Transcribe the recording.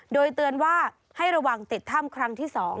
โดยเตือนว่าให้ระวังติดถ้ำครั้งที่๒